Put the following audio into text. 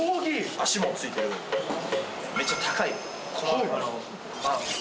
あしもついてるめちゃ高い盤。